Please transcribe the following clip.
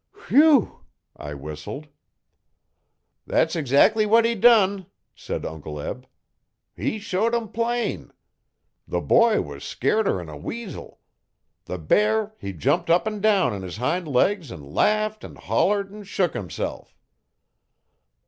'Whew!' I whistled. 'Thet's eggszac'ly what he done,' said Uncle Eb. 'He showed 'em plain. The boy was scairter'n a weasel. The bear he jumped up 'an down on his hind legs 'n laughed 'n' hollered 'n' shook himself.